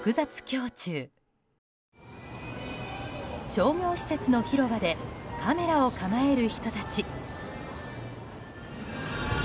商業施設の広場でカメラを構える人たち。